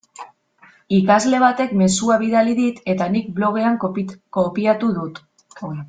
Ikasle batek mezua bidali dit eta nik blogean kopiatu dut.